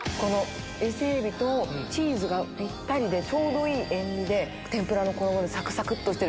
伊勢海老とチーズがぴったりでちょうどいい塩味で天ぷらの衣がサクサクっとしてる